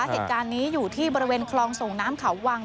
เหตุการณ์นี้อยู่ที่บริเวณคลองส่งน้ำเขาวัง